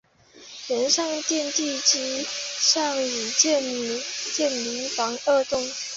原上殿地基上已建民房二幢。